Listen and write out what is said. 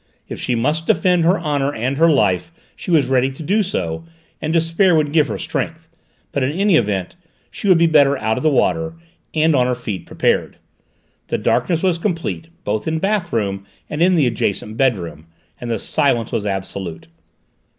If she must defend her honour and her life, she was ready to do so, and despair would give her strength; but in any event she would be better out of the water, and on her feet, prepared. The darkness was complete, both in the bathroom and in the adjacent bedroom, and the silence was absolute.